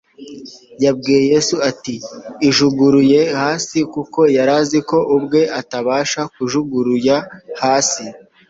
Yabwiye Yesu ati: «ijuguruye hasi; kuko yari azi ko ubwe atabasha kumujuguruya hasi